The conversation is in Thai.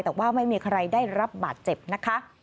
แต่ว่าไม่มีใครได้รับบาดเจ็บนะคะ